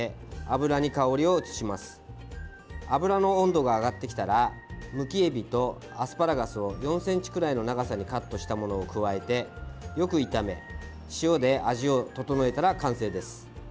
油の温度が上がってきたらむきえびと、アスパラガスを４ｃｍくらいの長さにカットしたものを加えてよく炒め、塩で味を調えたら完成です。